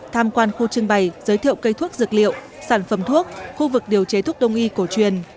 tham quan khu trưng bày giới thiệu cây thuốc dược liệu sản phẩm thuốc khu vực điều chế thuốc đông y cổ truyền